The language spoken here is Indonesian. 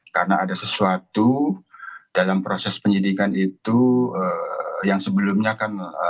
karena ada sesuatu dalam proses penyidikan itu yang sebelumnya kan